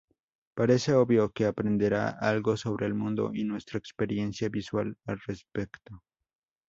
Parece obvio que aprenderá algo sobre el mundo y nuestra experiencia visual al respecto.